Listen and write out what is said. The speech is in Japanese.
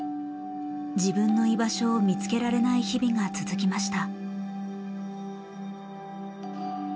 自分の居場所を見つけられない日々が続きました。